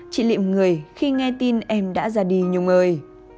chị liệm người khi nghe tin em đã ra đi nhung ơi